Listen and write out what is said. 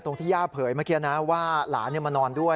ที่ย่าเผยเมื่อกี้นะว่าหลานมานอนด้วย